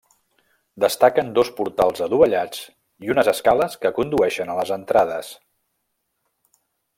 Destaquen dos portals adovellats i unes escales que condueixen a les entrades.